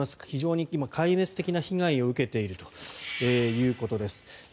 非常に今、壊滅的な被害を受けているということです。